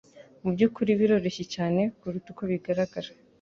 Mubyukuri biroroshye cyane kuruta uko bigaragara.